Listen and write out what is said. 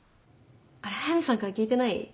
あれ速見さんから聞いてない？